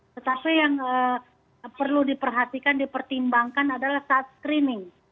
tetapi yang perlu diperhatikan dipertimbangkan adalah saat screening